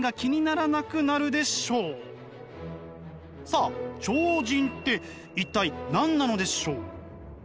さあ超人って一体何なのでしょう？